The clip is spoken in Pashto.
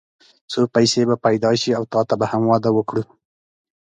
څو پيسې به پيدا شي او تاته به هم واده وکړو.